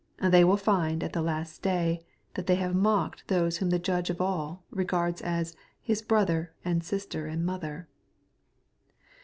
They will find at the last day that they have mocked those whom the Judge of all regards as " His brother, and sister, and mother."